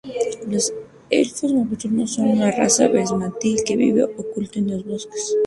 Los elfos nocturnos son una raza versátil que vive oculta en los bosques.